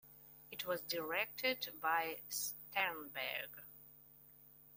It was directed by Sternberg.